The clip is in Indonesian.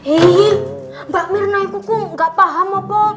ih mbak mirnai kuku gak paham apa